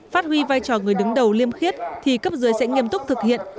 phát huy vai trò người đứng đầu liêm khiết thì cấp dưới sẽ nghiêm túc thực hiện